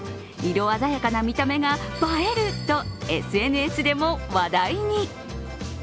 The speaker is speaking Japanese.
色鮮やかな見た目が映えるとＳＮＳでも話題に。